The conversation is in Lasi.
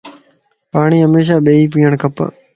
پاڻين ھميشا ٻيئي پيڻ کپ